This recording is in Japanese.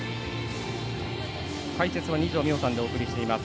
解説は二條実穂さんでお送りしています。